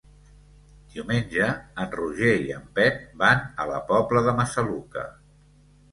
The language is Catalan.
Diumenge en Roger i en Pep van a la Pobla de Massaluca.